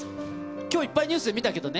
きょういっぱいニュースで見たけどね。